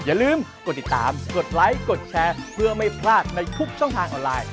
อย่าลืมกดติดตามกดไลค์กดแชร์เพื่อไม่พลาดในทุกช่องทางออนไลน์